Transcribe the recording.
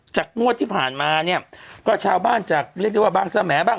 งวดที่ผ่านมาเนี่ยก็ชาวบ้านจากเรียกได้ว่าบางสมบ้าง